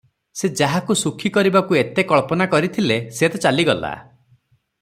ସେ ଯାହାକୁ ସୁଖୀ କରିବାକୁ ଏତେ କଳ୍ପନା କରିଥିଲେ, ସେ ତ ଚାଲିଗଲା ।